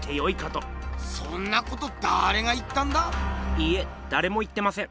いいえだれも言ってません。